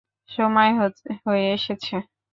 সময় হয়ে এসেছে!